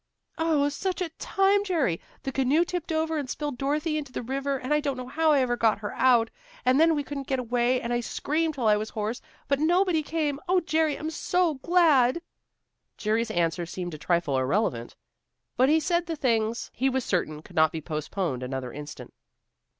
"Oh, such a time, Jerry! The canoe tipped over, and spilled Dorothy into the river, and I don't know how I ever got her out. And then we couldn't get away, and I screamed till I was hoarse, but nobody came. Oh, Jerry! I'm so glad!" Jerry's answer seemed a trifle irrelevant. But he said the things he was certain could not be postponed another instant.